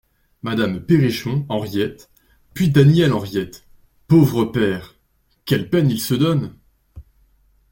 Madame Perrichon, Henriette ; puis Daniel HENRIETTE Pauvre père ! quelle peine il se donne !